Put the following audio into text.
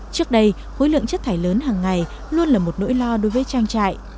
trước đây khối lượng chất thải lớn hàng ngày luôn là một nỗi lo đối với trang trại